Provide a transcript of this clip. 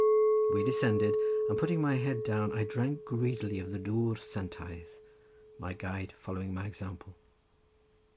We descended, and putting my head down, I drank greedily of the dwr santaidd, my guide following my example.